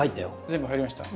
全部入りました？